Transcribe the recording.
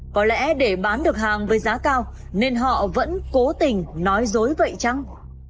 có lẽ để bán được hàng với giá cao nên họ vẫn cố tình nói dối vậy chăng